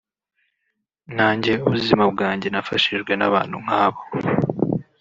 nanjye ubuzima bwanjye nafashijwe n’ abantu nk’abo